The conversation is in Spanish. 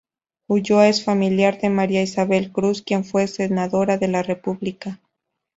Ulloa es familiar de María Isabel Cruz quien fue Senadora de la República.